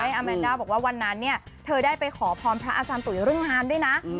อาแมนด้าบอกว่าวันนั้นเนี่ยเธอได้ไปขอพรพระอาจารย์ตุ๋ยเรื่องงานด้วยนะ